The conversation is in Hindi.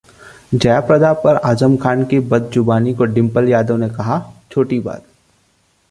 जयाप्रदा पर आजम खान की बदजुबानी को डिंपल यादव ने कहा- छोटी बात